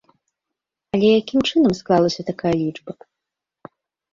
Але якім чынам склалася такая лічба?